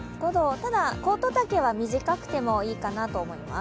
ただ、コート丈は短くてもいいかなと思います。